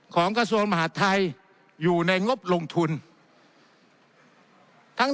กระทรวงมหาดไทยอยู่ในงบลงทุนทั้ง